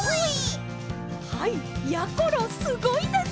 はいやころすごいです！